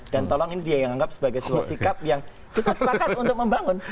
dan tolong ini dia yang anggap sebagai salah satu sikap yang kita sepakat untuk membangun